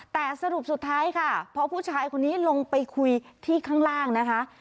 แต่สรุปสุดท้ายค่ะพอผู้ชายคนนี้ลงไปคุยที่ข้างล่างนะคะ